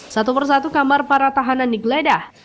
satu persatu kamar para tahanan digeledah